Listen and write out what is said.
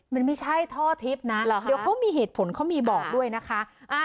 มันไม่ใช่ท่อทิพย์นะเดี๋ยวเขามีเหตุผลเขามีบอกด้วยนะคะ